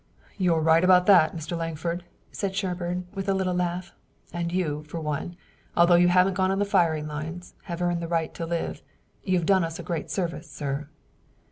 "You're right about that, Mr. Lankford," said Sherburne, with a little laugh, "and you, for one, although you haven't gone on the firing lines, have earned the right to live. You've done us a great service, sir."